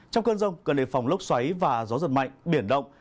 trong cơn rông cần đề phòng lốc xoáy và gió giật mạnh biển động